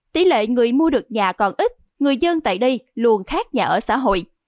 tỷ lệ người mua được nhà còn ít người dân tại đây luôn khác nhà ở xã hội